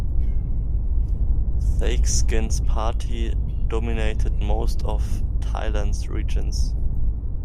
Thaksin's party dominated most of Thailand's regions.